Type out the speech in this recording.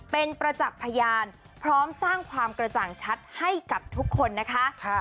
เป็นประจักษ์พยานพร้อมสร้างความกระจ่างชัดให้กับทุกคนนะคะ